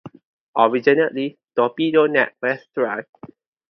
Originally, torpedo nets were tried.